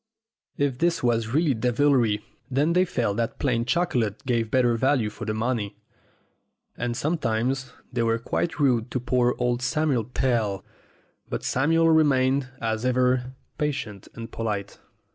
If this was really devilry, then they felt that plain chocolate gave better value for the money. And sometimes they were quite rude to poor old Samuel Pell. But Samuel remained, as ever, patient and polite.